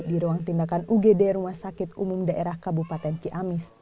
di ruang tindakan ugd rumah sakit umum daerah kabupaten ciamis